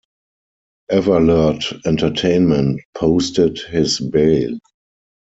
Everlert Entertainment posted his bail.